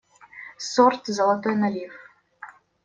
Сорт «золотой налив».